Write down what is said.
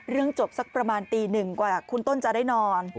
เรื่องจบสักประมาณตีหนึ่งกว่าคุณต้นจะได้นอน